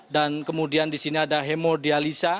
dan kemudian di sini ada hemodialisa